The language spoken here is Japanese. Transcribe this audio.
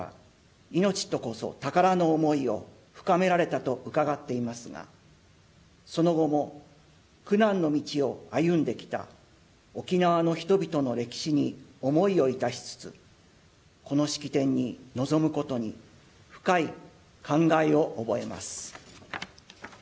命こそ宝の思いを深められたとうかがっていますがその後も、苦難の道を歩んできた沖縄の人々の歴史に思いを致しつつこの式典に臨むことに深い感慨を覚えます。